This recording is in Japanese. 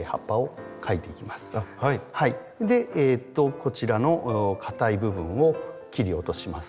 こちらのかたい部分を切り落とします。